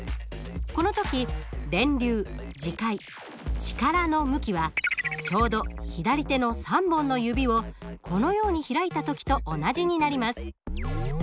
この時電流磁界力の向きはちょうど左手の３本の指をこのように開いた時と同じになります。